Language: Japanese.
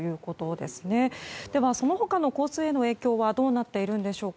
では、その他への交通への影響はどうなっているんでしょうか。